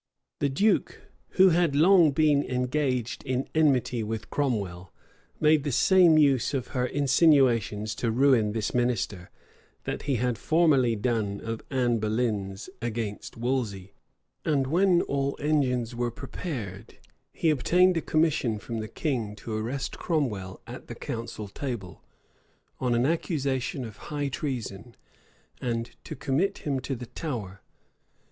The duke, who had long been engaged in enmity with Cromwell, made the same use of her insinuations to ruin this minister, that he had formerly done of Anne Boleyn's against Wolsey; and when all engines were prepared, he obtained a commission from the king to arrest Cromwell at the council table, on an accusation of high treason, and to commit him to the Tower.